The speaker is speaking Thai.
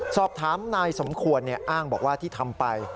สอบถามนายสมควรอ้างบอกว่าที่ทำไป